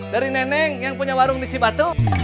dari neneng yang punya warung di cibatu